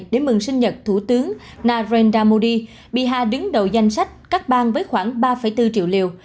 để mừng sinh nhật thủ tướng narendra modi biha đứng đầu danh sách các bang với khoảng ba bốn triệu liều